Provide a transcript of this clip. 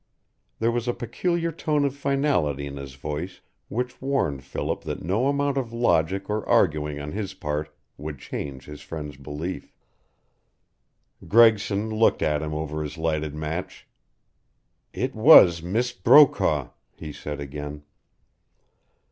There was a peculiar tone of finality in his voice which warned Philip that no amount of logic or arguing on his part would change his friend's belief. Gregson looked at him over his lighted match. "It was Miss Brokaw," he said again.